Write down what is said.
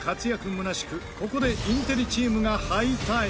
むなしくここでインテリチームが敗退。